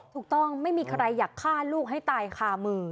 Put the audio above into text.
ถูกต้องไม่มีใครอยากฆ่าลูกให้ตายคามือ